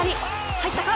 入ったか？